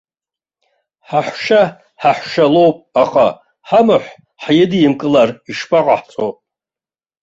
Ҳаҳәшьа ҳаҳәшьа лоуп, аха ҳамаҳә ҳидимкылар ишԥаҟаҳҵо?